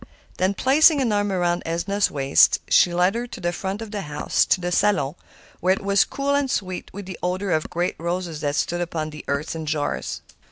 Then placing an arm around Edna's waist, she led her to the front of the house, to the salon, where it was cool and sweet with the odor of great roses that stood upon the hearth in jars.